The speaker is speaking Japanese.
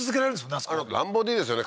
あそこ乱暴でいいですよね